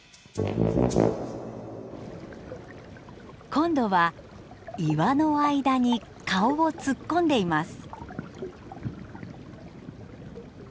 今度は岩の間に顔を突っ込んでいます。